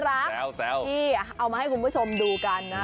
เอามาให้คุณผู้ชมดูกันนะ